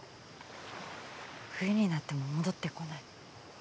冬になっても戻ってこない。